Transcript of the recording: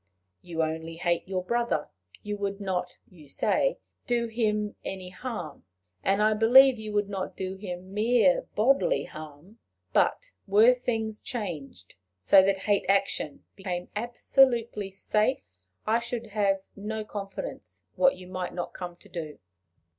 You only hate your brother; you would not, you say, do him any harm; and I believe you would not do him mere bodily harm; but, were things changed, so that hate action became absolutely safe, I should have no confidence what you might not come to do.